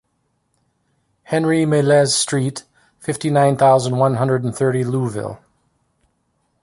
Henri Millez street, fifty-nine thousand one hundred and thirty Louvil